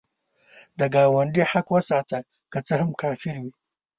د ګاونډي حق وساته، که څه هم کافر وي